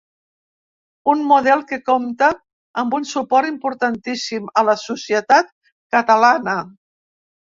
Un model que compta amb un suport importantíssim a la societat catalana.